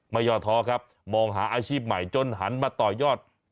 ย่อท้อครับมองหาอาชีพใหม่จนหันมาต่อยอด